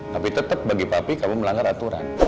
tapi tetep bagi papi kamu melanggar aturan